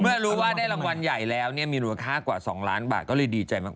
เมื่อรู้ว่าได้รางวัลใหญ่แล้วเนี่ยมีมูลค่ากว่า๒ล้านบาทก็เลยดีใจมาก